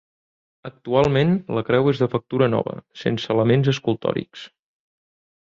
Actualment, la creu és de factura nova, sense elements escultòrics.